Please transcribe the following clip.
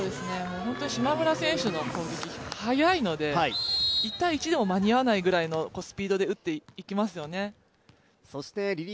島村選手の攻撃、速いので１対１でも間に合わないぐらいのスピードで打っていきますよね。